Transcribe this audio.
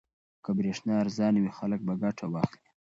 که برېښنا ارزانه وي خلک به ګټه واخلي.